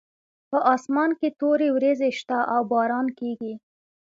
په اسمان کې تورې وریځې شته او باران کیږي